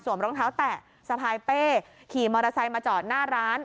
รองเท้าแตะสะพายเป้ขี่มอเตอร์ไซค์มาจอดหน้าร้าน